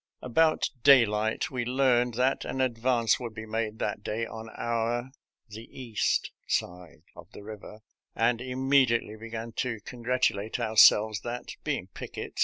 *«* About daylight we learned that an advance would be made that day on our (the east) side of the river, and immediately began to congrat ulate ourselves that, being pickets.